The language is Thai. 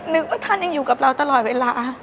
ว่าท่านยังอยู่กับเราตลอดเวลา